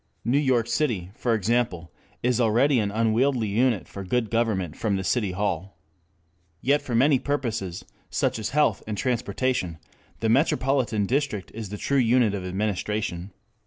New York City, for example, is already an unwieldy unit for good government from the City Hall. Yet for many purposes, such as health and transportation, the metropolitan district is the true unit of administration.